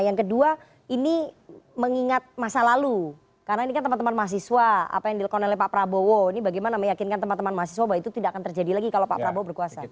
yang kedua ini mengingat masa lalu karena ini kan teman teman mahasiswa apa yang dilakukan oleh pak prabowo ini bagaimana meyakinkan teman teman mahasiswa bahwa itu tidak akan terjadi lagi kalau pak prabowo berkuasa